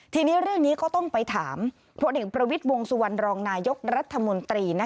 ทีนี้เรื่องนี้ก็ต้องไปถามพลเอกประวิทย์วงสุวรรณรองนายกรัฐมนตรี